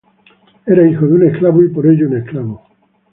Era el hijo de un esclavo, y por ello un esclavo.